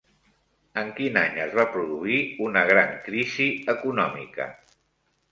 En quin any es va produir una gran crisi econòmica?